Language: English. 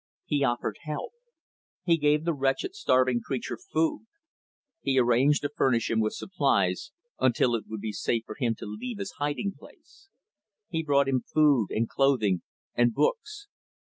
He offered help. He gave the wretched, starving creature food. He arranged to furnish him with supplies, until it would be safe for him to leave his hiding place. He brought him food and clothing and books.